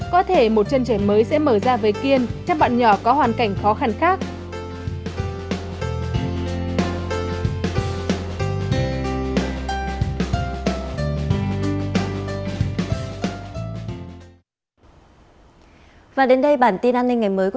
có thể một chân trẻ mới sẽ được tạo ra một trường đại học